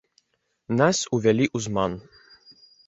Нас увялі ў зман.